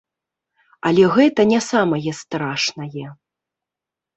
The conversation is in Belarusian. Але гэта не самае страшнае.